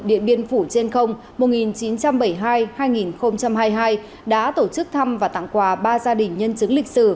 điện biên phủ trên không mùa một nghìn chín trăm bảy mươi hai hai nghìn hai mươi hai đã tổ chức thăm và tặng quà ba gia đình nhân chứng lịch sử